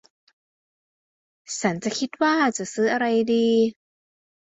ฉันจะคิดว่าจะซื้ออะไรดี